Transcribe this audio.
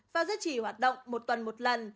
và giới trì hoạt động một tuần một lần